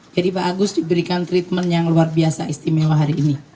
jadi pak agus diberikan treatment yang luar biasa istimewa hari ini